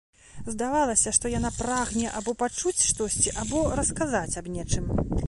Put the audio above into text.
Здавалася, што яна прагне або пачуць штосьці, або расказаць аб нечым.